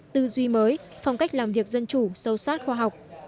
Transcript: tư duy mới phong cách làm việc dân chủ sâu sát khoa học